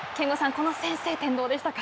この先制点はいかがでしたか？